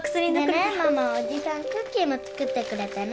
でねママおじさんクッキーも作ってくれてね。